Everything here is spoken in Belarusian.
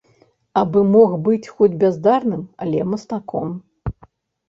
А бы мог быць хоць бяздарным, але мастаком.